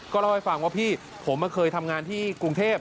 เล่าให้ฟังว่าพี่ผมเคยทำงานที่กรุงเทพ